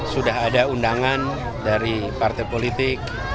sudah ada undangan dari partai politik